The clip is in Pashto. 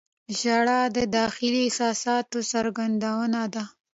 • ژړا د داخلي احساساتو څرګندونه ده.